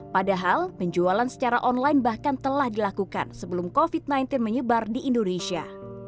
padahal penjualan secara online bahkan telah dilakukan sebelum covid sembilan belas menyebar di indonesia